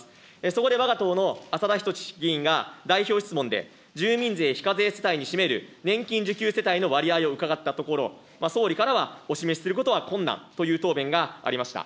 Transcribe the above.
そこでわが党の浅田均議員が、代表質問で、住民税非課税世帯に占める年金受給世帯の割合を伺ったところ、総理からはお示しすることは困難という答弁がありました。